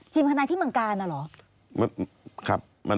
ทีมธนายที่เมืองกาลเหรอ